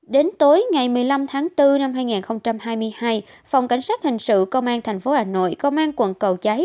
đến tối ngày một mươi năm tháng bốn năm hai nghìn hai mươi hai phòng cảnh sát hình sự công an tp hà nội công an quận cầu giấy